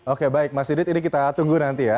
oke baik mas didit ini kita tunggu nanti ya